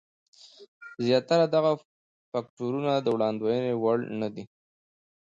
زیاتره دغه فکټورونه د وړاندوینې وړ نه دي.